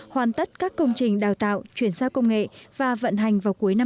hoàn tất các công trình đào tạo chuyển giao công nghệ và vận hành vào cuối năm hai nghìn hai mươi